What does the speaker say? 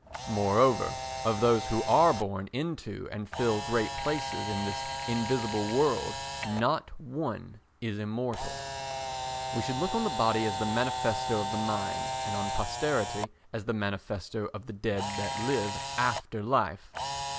Moreover of those who are born into and fill great places in this invisible world not one is immortal. We should look on the body as the manifesto of the mind and on posterity as the manifesto of the dead that live after life.